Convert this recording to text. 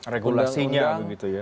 regulasinya begitu ya